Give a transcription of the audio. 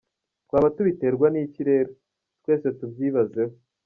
Twaba tubiterwa n’iki rero ? Twese tubyibazeho.